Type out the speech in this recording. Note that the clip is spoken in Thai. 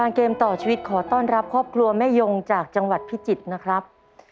เกมต่อชีวิตขอต้อนรับครอบครัวแม่ยงจากจังหวัดพิจิตรนะครับ